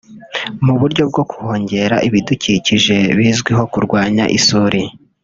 mu buryo bwo kuhongera ibidukikije bizwiho kurwanya isuri